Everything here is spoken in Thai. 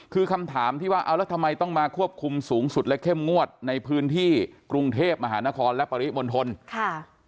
คือคำถามที่ว่าเอาแล้วทำไมต้องมาควบคุมสูงสุดและเข้มงวดในพื้นที่กรุงเทพมหานครและปริมณฑลค่ะ